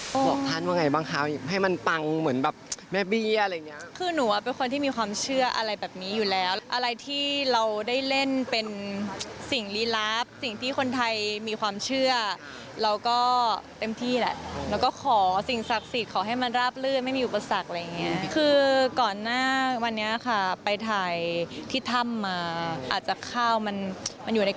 บอกท่านว่าไงบ้างคะให้มันปังเหมือนแบบแม่เบี้ยอะไรอย่างเงี้ยคือหนูว่าเป็นคนที่มีความเชื่ออะไรแบบนี้อยู่แล้วอะไรที่เราได้เล่นเป็นสิ่งลีลับสิ่งที่คนไทยมีความเชื่อเราก็เต็มที่แหละแล้วก็ขอสิ่งศักดิ์สิทธิ์ขอให้มันราบลื่นไม่มีอุปสรรคอะไรอย่างเงี้ยคือก่อนหน้าวันนี้ค่ะไปถ่ายที่ถ้ำมาอาจจะข้าวมันมันอยู่ใน